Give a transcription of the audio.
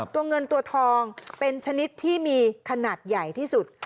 ตัวเงินตัวทองเป็นชนิดที่มีขนาดใหญ่ที่สุด